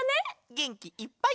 げんきいっぱい！